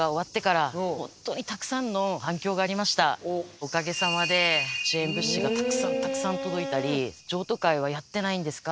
おかげさまで支援物資がたくさんたくさん届いたり譲渡会はやってないんですか？